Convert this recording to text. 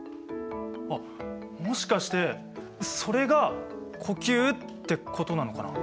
あっもしかしてそれが呼吸ってことなのかな？